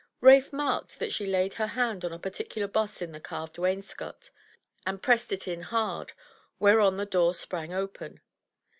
Ralph marked that she laid her hand on a particular boss in the carved wainscot, and pressed it in hard, whereon the door sprang open.